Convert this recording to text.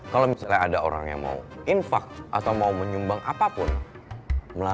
kalau misalnya ada orang yang mau infak atau mau menyumbang apapun gue gak pernah